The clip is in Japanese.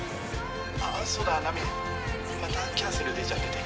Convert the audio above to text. あそうだ奈美江またキャンセル出ちゃってて。